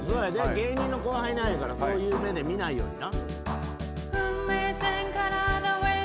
芸人の後輩なんやからそういう目で見ないようにな。